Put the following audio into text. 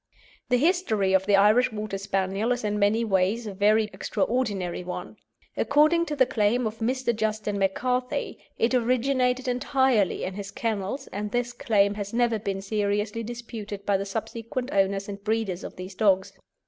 The history of the Irish Water Spaniel is in many ways a very extraordinary one. According to the claim of Mr. Justin McCarthy, it originated entirely in his kennels, and this claim has never been seriously disputed by the subsequent owners and breeders of these dogs.